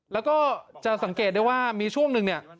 แล้วก็จะสังเกตได้ว่ามีช่วงนึง